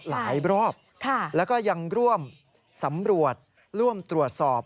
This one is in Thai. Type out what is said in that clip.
หลายรอบแล้วก็ยังร่วมสำรวจร่วมตรวจสอบ